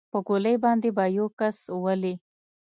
په ګولۍ باندې به يو كس ولې.